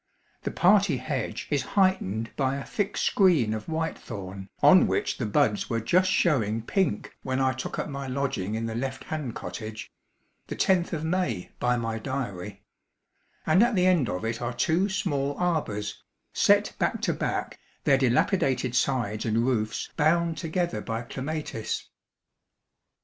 The party hedge is heightened by a thick screen of white thorn on which the buds were just showing pink when I took up my lodging in the left hand cottage (the 10th of May by my diary); and at the end of it are two small arbours, set back to back, their dilapidated sides and roofs bound together by clematis.